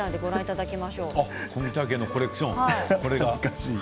富田家のコレクション。